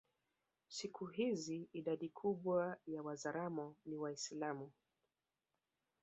Siku hizi idadi kubwa wa Wazaramo ni Waislamu